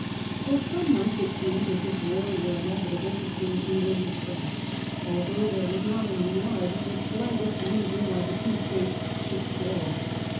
F or some months it seemed as if war were inevitable between England and France, although there was not in reality the slightest reason why the two States should quarrel.